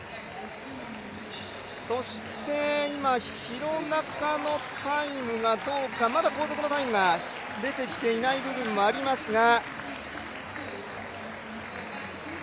そして今、廣中のタイムがどうかまだ後続のタイムが出てきていない部分もありますが。